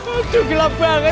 aduh gelap banget